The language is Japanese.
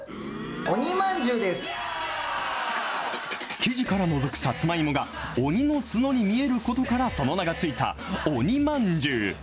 生地からのぞくさつまいもが鬼の角に見えることからその名が付いた鬼まんじゅう。